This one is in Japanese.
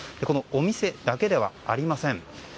このお店だけではありません。